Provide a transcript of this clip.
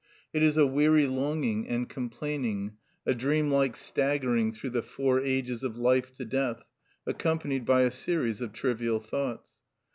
It is a weary longing and complaining, a dream like staggering through the four ages of life to death, accompanied by a series of trivial thoughts.